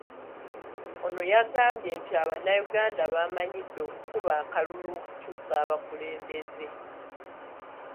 Ono yagambye nti Abanayuganda bamanyidde okukuba akalulu okukyusa abakulembeze.